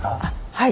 はい。